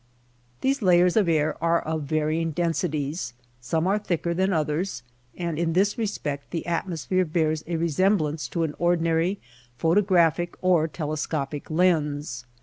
These layers of air are of varying densi ties. Some are thicker than others ; and in this respect the atmosphere bears a resemblance to an ordinary photographic or telescopic lens.